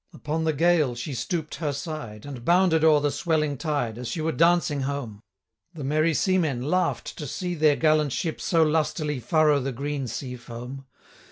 Upon the gale she stoop'd her side, And bounded o'er the swelling tide, As she were dancing home; The merry seamen laugh'd, to see 15 Their gallant ship so lustily Furrow the green sea foam.